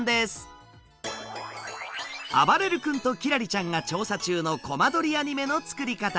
あばれる君と輝星ちゃんが調査中のコマ撮りアニメの作り方。